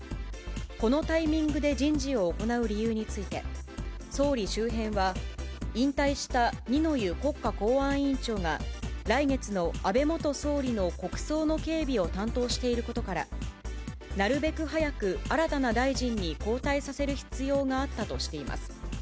このタイミングで人事を行う理由について、総理周辺は、引退した二之湯国家公安委員長が、来月の安倍元総理の国葬の警備を担当していることから、なるべく早く新たな大臣に交代させる必要があったとしています。